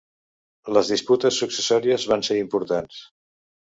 Les disputes successòries van ser importants.